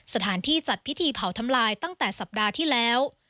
สถานที่จัดพิธีเผาทำลายตั้งแต่สัปดาห์ที่แล้ว